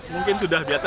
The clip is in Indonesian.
mungkin sudah biasa